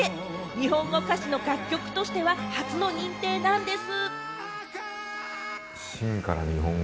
日本語歌詞の楽曲としては初の認定なんです。